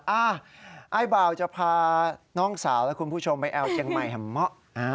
อ้าวไอ้เบาจะพาน้องสาวและคุณผู้ชมไปเอาเจียงใหม่แห่มเมาะ